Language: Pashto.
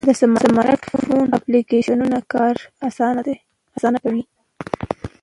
د سمارټ فون اپلیکیشنونه کار آسانه کوي.